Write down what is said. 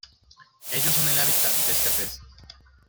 Ellos son el hábitat de este pez.